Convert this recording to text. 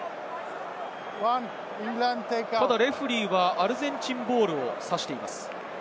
ただレフェリーはアルゼンチンボールを指しています。